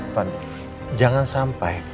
van jangan sampai